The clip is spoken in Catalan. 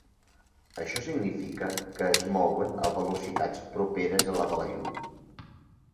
Això significa que es mouen a velocitats properes a la de la llum.